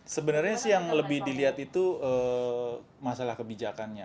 sebenarnya sih yang lebih dilihat itu masalah kebijakannya